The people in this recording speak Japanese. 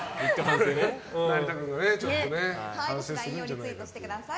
リツイートしてください。